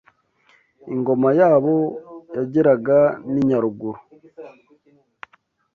Ingoma yabo yageraga n’i Nyaruguru